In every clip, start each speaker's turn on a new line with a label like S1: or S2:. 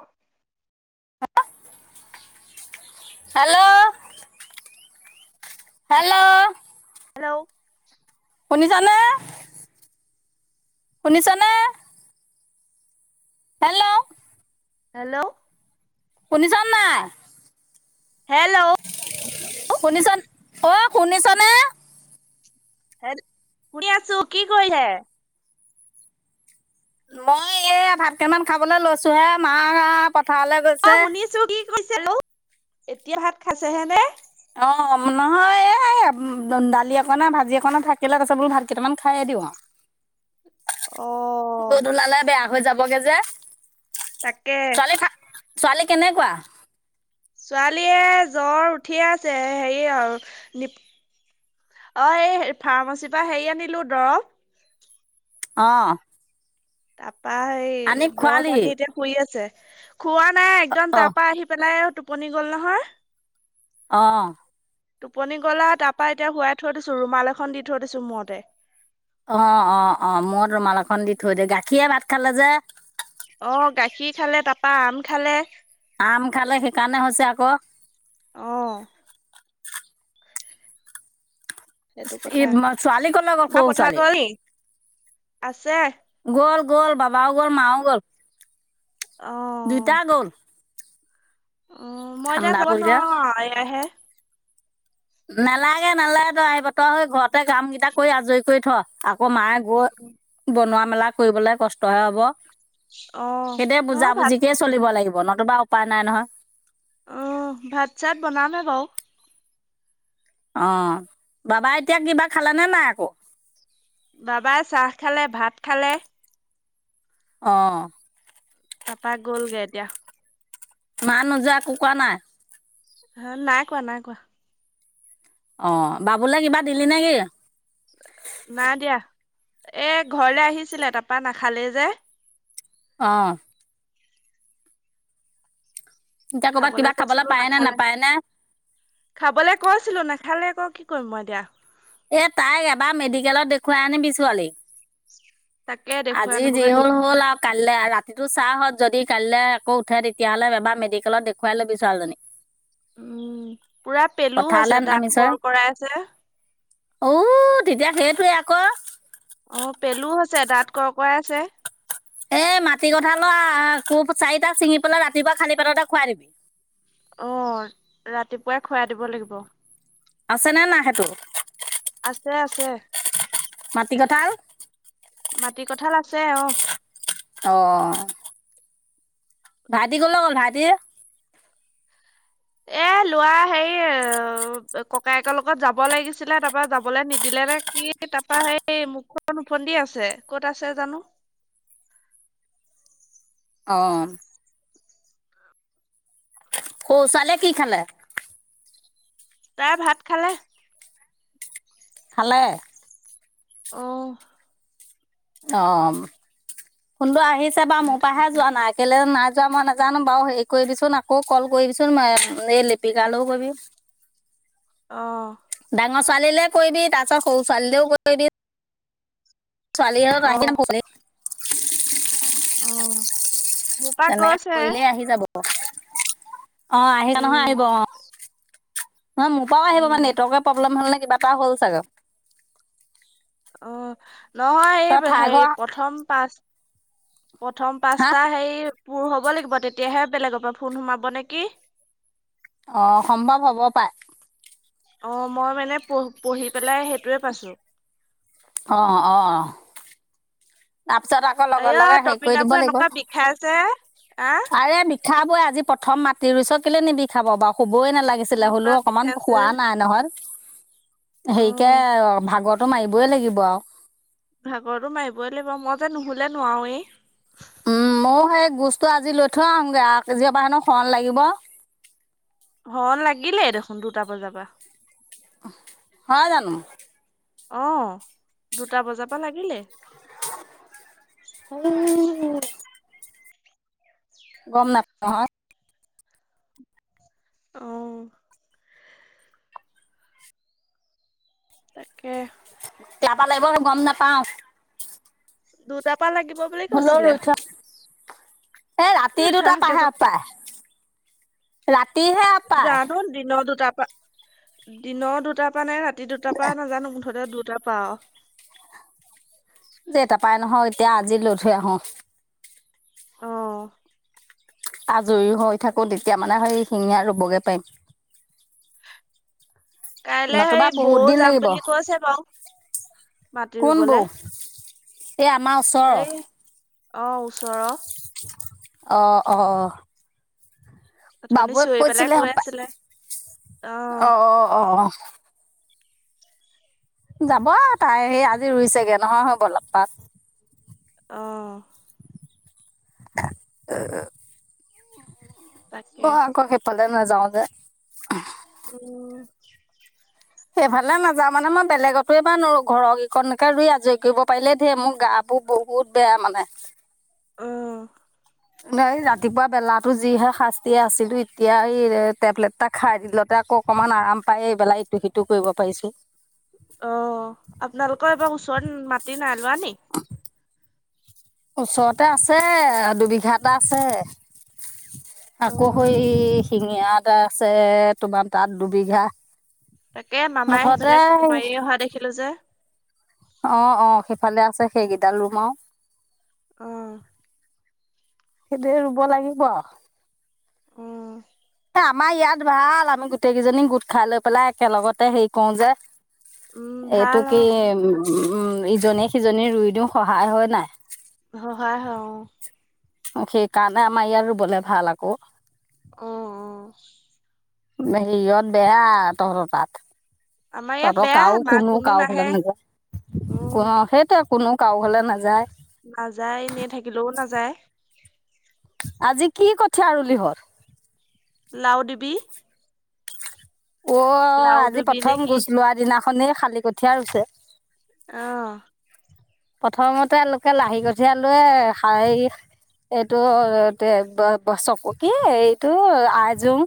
S1: ও
S2: হে hello hello
S1: hello
S2: শুনিছানে শুনিছানে হেল্ল
S1: হেল্ল'
S2: শুনিছ নাই
S1: হেল্ল
S2: শুনিছ অ শুনিছ নে
S1: হে শুনি আছো কি কৈ হে
S2: মই এই ভাতকেইটামান খাবলৈ লৈছো হে মা পথাৰলৈ
S1: অ
S2: গৈছে
S1: শুনিছো কি কৈছে ও এতিয়া ভাত খাইছেহে নে
S2: অ নহয় এ দালি অকমানে ভাজি অকনে থাকিলে তাৰ পিছত বোলো ভাত কেইটামান খায়ে দিওঁ আও
S1: [inaudible] অ
S2: গধুলালে বেয়া হৈ যাবগে যে
S1: তাকে
S2: ছোৱালী ছোৱালী কেনেকুৱা
S1: ছোৱালীয়ে জ্বৰ উঠি আছে হেৰি আৰু নি অ এই ফাৰ্মাচীৰ পৰা হেৰি আনিলো দৰৱ
S2: আহ
S1: তাৰাপা এই দৱ আনী এতিয়া শুই আছে [unintelligible] খোৱা নাই একদম
S2: অ
S1: তাৰ পৰাা আহি পেলাই টোপনি গ'ল নহয়
S2: আহ
S1: টোপনি গলা তাৰ পৰাা এতিয়া শুৱাই থৈ দিছো ৰুমাল এখন দি থৈ দিছো মূতে
S2: অ অ অ মই ৰুমাল এখন দি থৈ দে গাখীয়ে ভাত খালে যে [unintelligible]
S1: অ গাখীৰ খালে তাৰাপা আম খালে
S2: আম খালে সেইকাৰণে হৈছে আকৌ
S1: আহ সেইটো
S2: ই
S1: কথা
S2: ছোৱালী ক'লে গ'ল
S1: মা
S2: সৰু
S1: কথা ক
S2: ছোৱালী
S1: আছে
S2: গ'ল গ'ল বাবাও গ'ল মাও গ'ল দুইটা
S1: আহ
S2: গ'ল
S1: অ মই এতিয়া
S2: ঠাণ্ডা
S1: যাব
S2: পৰিলে
S1: নোৱাৰো এয়াহে
S2: নেলাগে নালাগে তই আহিব তই হৈ ঘৰতে কাম কেইটা কৰি আজৰি কৰি থ আকৌ মায়ে গৈ বনোৱা মেলা কৰিবলে কষ্টহে হব
S1: অ
S2: সেইটোয়ে বুজা
S1: নহয় ভাত
S2: বুজিকেই চলিব লাগিব নতুবা উপায় নাই নহয়
S1: আহ ভাত চাত বনামে বাৰু
S2: অ বাবা এতিয়া কিবা খালেনে নাই আকৌ
S1: বাবাই চাহ খালে ভাত খালে
S2: অঁ
S1: তাৰাপা গ'লগে এতিয়া
S2: মা নোযা কুকোৱা নাই [unintelligible]
S1: অ নাই কোৱা নাই কোৱা
S2: অ বাবুলে কিবা দিলি নে কি
S1: নাই দিয়া এ ঘৰলে আহিছিলে তাৰপা নাখালেই যে
S2: আহ এতিয়া ক'ৰবাত
S1: খাবলে
S2: কিবা খাবলৈ
S1: কৈছিলো
S2: পায়নে
S1: নাখালে
S2: নাপায়নে
S1: খাবলে কৈছিলো নাখালে ক কি কৰিম মই দিয়া
S2: এ তাইক এবাৰ মেডিকেলত দেখুৱাই আনিবি ছোৱালী
S1: [inaudible] দেখুৱাই
S2: আজি
S1: আনিবগে
S2: যি হ'ল
S1: লাগিব
S2: হ'ল আৰু কাইলৈ ৰাতিটো চাহ হত যদি কাইলৈ আকৌ উঠে তেতিয়াহ'লে এবাৰ মেডিকেলত দেখুৱাই ল'বি ছোৱালজনী
S1: উম পুৰা পেলু
S2: পথাৰলৈ
S1: হৈছে দাঁত কৰ কৰাই আছে
S2: উ তেতিয়া সেইটোৱে আকৌ
S1: অ পেলু আছে দাঁত ক কৰাই আছে
S2: এ মাটি কথাল আহ খুব চাৰিটা ছিঙি পেলাই ৰাতিপুৱা খালি পেতটে খুৱাই দিবি [unintelligible]
S1: অ ৰাতিপুৱাই খুৱাই দিব লাগিব
S2: আছে নে না সেইটো [unintelligible]
S1: আছে আছে
S2: তাল [unintelligible]
S1: মাটি কঠাল আছে অ
S2: আহ ভাইটি কলে গ'ল ভাইটি
S1: এ লৰা হে ককায়েকৰ লগত যাব লাগিছিলে তাৰ পা যাবলে নিদিলে কি তাৰপা সেই মুখখন ওফন্দি আছে ক'ত আছে জানো [unintelligible]
S2: অঁ সৰু ছোৱালীয়ে কি খালে?
S1: তাই ভাত খালে।
S2: খালে
S1: আহ
S2: অ ফোনটো আহিছে বা মোৰ
S1: সেইটো
S2: পৰাহে
S1: কথা
S2: যোৱা নাই এক কেলে নাই যোৱা মই নাজানো বাৰু হেৰি কৰিবিচোন আকৌ কল কৰিবিচোন মই এই লিপিকালেও কৰিবি।
S1: আহ
S2: ন ছোৱালীলৈ কৰিবি তাৰপিছত সৰু ছোৱালীলেও কৰিবি পাৰিবি। ছোৱালী আৰু ন বলে [unintelligible]
S1: আহ
S2: তেনেকে কৰিলেই আহি যাব। অ আহিবা নহয়
S1: উম
S2: আহিব অ নহয় মোৰ পৰাও আহিব মানে
S1: উম
S2: নেটৱৰ্কৰ প্ৰব্লেম হ'ল নে কিবা পৰা হ'ল চাগে।
S1: অ নহয় এই
S2: তই ঠাই
S1: হে
S2: ঘৰ
S1: প্ৰথম পাঁচ প্ৰথম
S2: হা
S1: পাঁচটা হেৰি পুৰ হব লাগিব তেতিয়াহে বেলেগৰ পৰা ফোন সোমাব নেকি
S2: অ সম্ভৱ হ'ব পাই
S1: অ মই মানে পঢ় পঢ়ি পেলাই সেইটোৱে পাইছো।
S2: অ অ তাৰপিছত আকৌ লগৰ
S1: এয়া
S2: লগে হেৰি কৰি দিব
S1: তপিনাবোৰ
S2: লাগিব।
S1: এনেকুৱা বিষাইছে আহ
S2: আৰু এই মিঠা বৈ আজি প্ৰথম মাটি ৰুইচ কেলে নিবি খাব বাৰু শুবই নালাগিছিলে
S1: এনেকুৱা
S2: হ'লেও অকমান
S1: বিষাইছে
S2: শোৱা নাই নহয়।
S1: অ
S2: হেৰিকে ভাগৰটো মাৰিবই লাগিব আৰু।
S1: ভাগৰতো মাৰিবই লাগিব মই যে নুহলে নোৱাৰোৱেই।
S2: মোৰ সেই গোস্তটো আজি লৈ থৈ আহোগৈ আও, আজি পৰা হেনো খন লাগিব
S1: হ লাগিলে দেখোন দুটা বজাৰ পৰা
S2: হয় জানো।
S1: অ দুটা বজাৰ পৰা লাগিলে।
S2: গম নাপায় হ
S1: অ তাকে
S2: লাবা লাগিব গম নাপাও
S1: দুটাৰ পৰা লাগিব বুলি কৈছিলে।
S2: এ ৰাতি দুটা
S1: ৰিঠাহকে
S2: পাহে
S1: যাক
S2: পাহ
S1: জানো দিনৰ দুটা দিনৰ দুটাৰ পৰা নে ৰাতি দুটাৰ পৰা নাজানো মুঠতে দুটাৰ পৰা আৰু। [inaudible]
S2: যে এটা পাই নহয় এতিয়া আজি লৈ থৈ আহো
S1: আহ
S2: আজৰি হৈ থাকো তেতিয়া মানে সেই শিঙীয়া ৰুবগে পাৰিম।
S1: কাইলে
S2: নতুবা
S1: সেই বৌ
S2: বহুত দিন
S1: যাম
S2: লাগিব
S1: বুলি কৈছে বাও। মাটি
S2: কোন বৌ
S1: ৰুবলে।
S2: এই আমাৰ ওচৰৰ।
S1: আহ ওচৰ
S2: অঁ অঁ অ
S1: অথনি
S2: বাবুৱে
S1: চিঞৰি পেলাই
S2: কৈছিলে
S1: কৈ আছিলে
S2: হপায় অ অ অ যাব তাই সেই আজি ৰুইছেগে নহয় বলপ পাত
S1: আহ তাকে
S2: অ অকৌ খেই পালে নাযাওঁ যে
S1: অ
S2: সেইফালে নাযাওঁ মানে মই বেলেগতো এবাৰ নোৱাৰো ঘৰৰকেইকণকে ৰুই আজৰি কৰিব পাৰিলে ধেৰ মোৰ গা বোৰ বহুত বেয়া মানে।
S1: উম
S2: এই ৰাতিপুৱা বেলাতো যিহে শাস্তিয়ে আছিলো এতিয়া এই টেবলেটটা খাই দিলতে আকৌ অকনমান আৰাম পায় এইবেলাই ইটো সিটো কৰিব পাৰিছো।
S1: অ, আপোনালোকৰ এবাৰ ওচৰত মাটি নাই লোৱা নি?
S2: ওচৰতে আছে, দুবিঘা এটা আছে।
S1: অ
S2: আকৌ স শিঙীয়া এটা আছে তোমাৰ তাত দুবিঘা।
S1: তাকে মামাই
S2: মুঠতে
S1: সেইফালে কু মাৰিয় অহা দেখিলো যে।
S2: অ, অ, সিফালে আছে সেইকেইডাল ৰুম আৰু।
S1: উম।
S2: সেইটোৱে ৰুব লাগিব।
S1: উম।
S2: আমাৰ ইয়াত ভাল। আমি গোটেই কেইজনী গোট খাই লৈ পেলাই একেলগতে হেৰি কৰো যে।
S1: উম
S2: এইটো
S1: ভাল অ
S2: কি উম ইজনে-সিজনী ৰুই দিও সহায় হয় নাই।
S1: হয়, হয়, আহ।
S2: সেই কাৰণে আমাৰ ইয়াৰ বোলে ভাল আকৌ।
S1: উম, উম।
S2: হিয়াত বেয়া তহঁতৰ তাত।
S1: আমাৰ ইয়াত
S2: তহঁতৰ
S1: বেয়া
S2: কাও
S1: আমাৰ
S2: কোনো কাও ফালে
S1: নাহে
S2: নাযায়।
S1: উম
S2: কোন সেইটো কোনো কাৰাও ঘৰলৈ নাযায়।
S1: নাযায়, এনেই থাকিলেও নাযায়
S2: আজি কি কঠীয়া ৰুলহৰ?
S1: লাও দেৱী।
S2: অ, আজি
S1: দিবি নে
S2: প্ৰথম
S1: কি
S2: গুচ লোৱা দিনাখননেই খালি কঠীয়া ৰুইছ?
S1: আহ।
S2: প্ৰথমতে লোকে লাহি কঠিয়ালয়ে এইটো এ চকু কি এইটো আইজোং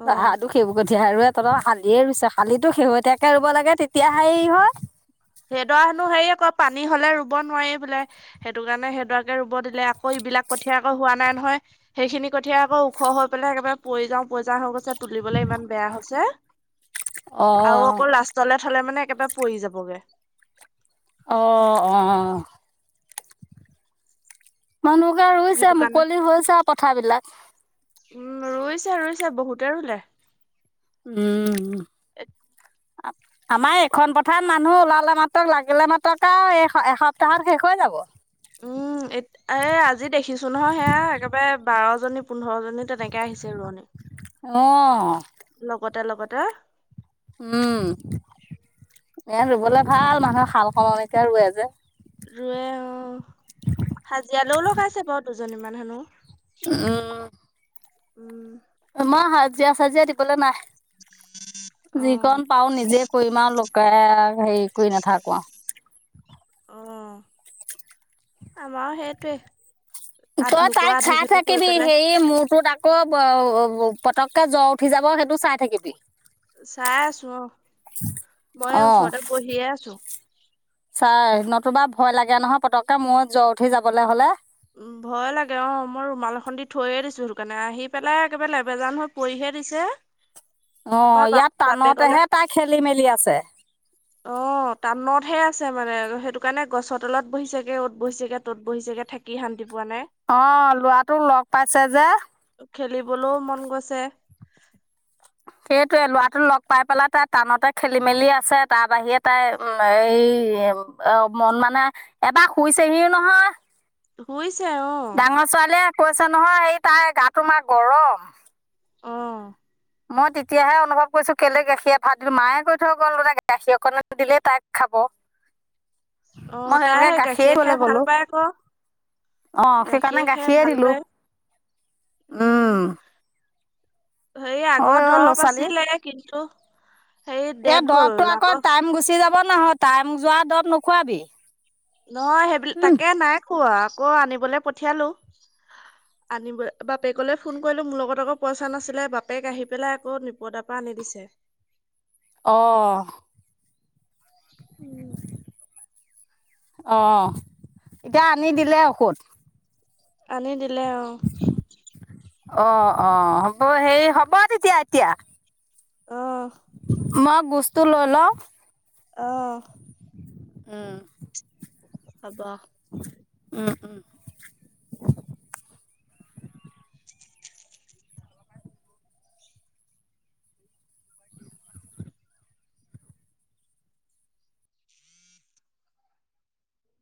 S1: অ
S2: বাহাদুৰ এঠ আৰু এ তঁৰ কালিয়ে ৰুইছ কালি শেহতীয়াকে ৰুব লাগে তেতিয়াহে হয়।
S1: সেইডৰা হেনো হেৰি আকৌ পানী হ'লে ৰুব নোৱাৰি বোলে। সেইটো কাৰণে সেইদোৱাকে ৰুব দিলে আকৌ বিলাক কঠিয় আকৌ হোৱা নাই নহয়। সেইখিনি কঠিয় আকৌ ওখ হৈ পেলাই একেবাৰে পৰি যাও পৰি যাও হৈ গৈছে। তুলিবলৈ ইমান বেয়া হৈছে। আৰু
S2: অ',
S1: অকৌ লাষ্ট থলে মানে একেবাৰে পৰি যাবগে।
S2: অ, অ। মানুহকে ৰুইছে
S1: সেইটো কাৰণে
S2: মুকলি হৈছে পথাৰ বিলাক।
S1: উম, ৰুইছে, ৰুইছে বহুতে ৰুলে।
S2: উম।
S1: [inaudible]
S2: আমাৰ এইখন পথাৰ মানুহ ওলালে মাত্ৰক লাগিলে মাত্ৰক আৰু এসপ্তাহত শেষ হৈ যাব।
S1: উম, এ এই আজি দেখিছো নহয় সেয়া একেবাৰে বাৰজনী পোন্ধৰ জনী তেনেকে আহিছে ৰোৱনী।
S2: অ'।
S1: লগতে লগতে।
S2: উম, ই ৰুবলৈ ভাল মানুহে খাল সমনকে ৰূয়ে যে।
S1: ৰূয়ে উম, হাজিৰালৈও লগাইছে বাৰু দুজনীমান হেনো।
S2: উম।
S1: উম।
S2: অ, হাজিৰা-চাজিৰা দিবলৈ নাই।
S1: অ
S2: যিকণ পাও নিজে কৰিম আৰু লগ এক হেৰি কৰি নাথাকো আও।
S1: অ, আমাৰো সেইটোৱে আ
S2: তই
S1: লোকৰ
S2: তাইক
S1: আধি
S2: চাই
S1: খতি কৰি
S2: থাকিবি
S1: পেলাই
S2: হেৰি মূৰটোত আকৌ পতককে জ্ব উঠি যাব সেইটো চাই থাকিবি
S1: চাই আছো অ, মই
S2: অ
S1: ওচৰতে বহিয়ে আছো
S2: চাই নতুবা ভয় লাগে নহয় পতককে মোৰো জ্বৰ উঠি যাবলে হলে।
S1: উম ভয় লাগে অঁ মই ৰুমাল এখন দি থৈয়ে দিছোঁ সেইকাৰণে আহি পেলাই একেবাৰে লেবেজান হৈ পৰিহে দিছে। [unintelligible]
S2: অ
S1: তাৰপৰা বাপ
S2: ইয়াত
S1: বাপে কলে
S2: টানতেহে তাই খেলি মেলি আছে
S1: আহ তাটনত সেয়া আছে মানে সেইটো কাৰণে গছৰ তলত বহিছেগে অত বহিছেগে তত বহিছেগে থাকি শান্তি পোৱা নাই
S2: অ লৰাটো লগ পাইছে যে।
S1: খেলিবলৈও মন গৈছে [unintelligible]
S2: সেইটোৱে ল'ৰাটো লগ পাই পেলাই তাই কানতে খেলি মেলি আছে তাৰ বাহিৰে তাই এই অ মন মানে এটা শুই চেহিও নহয়
S1: শুইছে অ
S2: ডাঙৰ ছোৱালীয়ে কৈছে নহয় এই তাই গাটো মা গৰম
S1: অ
S2: মই তেতিয়াহে অনুভৱ কৰিছো কেলে গাখীৰ ভাত দিলো, মায়ে কৈ থৈ গল বোলে গাখীৰ অকণ দিলে তাইক খাব
S1: অ
S2: মই
S1: তাই
S2: সেইকাৰণে
S1: সেই গাখীৰ খাই ভাল পাই আকৌ।
S2: আহ সেইকাৰণে
S1: গাখীৰ খাই
S2: গাখীয়ে
S1: ভাল
S2: দিলো
S1: পায়
S2: উম
S1: হেই আগত দৰৱ আছিলে কিন্তু হেৰি
S2: এই
S1: ডেট গ'ল
S2: দৰবটো আকৌ টাইম গুচি যাব নহয় টাইম যোৱা দৰবৱ নোখোৱাবি।
S1: নহয় সেইবিল তাকে নাই খোৱা আকৌ আনিবলৈ পঠিয়ালো। আনিব বাপেকলৈ ফোন কৰিলো মোৰ লগত আকৌ পইচা নাছিলে বাপেক আহি পেলাই আকৌ নিপদাৰ পৰা অনিদিছে
S2: অঁ
S1: [unintelligible]
S2: অ এতিয়া আনি দিলে ঔষধ?
S1: আনি দিলে আহ
S2: অ অ হ'ব সেই হ'ব তেতিয়া এতিয়া
S1: অহ
S2: ম গস্থ লৈ লও
S1: অহ
S2: উম
S1: হব
S2: উম উম